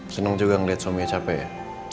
seneng juga ngeliat suaminya capek ya